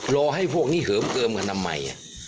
รอให้พวกนี้เหิมเกิมกันทำไม